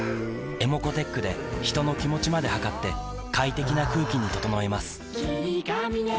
ｅｍｏｃｏーｔｅｃｈで人の気持ちまで測って快適な空気に整えます